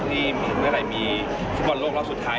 เมื่อไหร่มีฟุตบอลโลกรอบสุดท้าย